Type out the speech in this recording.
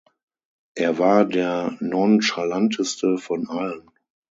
Er war der nonchalanteste von allen.